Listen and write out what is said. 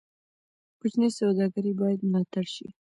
کوچني سوداګرۍ باید ملاتړ شي.